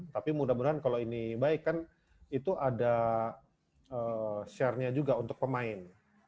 tapi mudah mudahan kalau ini baik kan itu ada share nya juga untuk pemain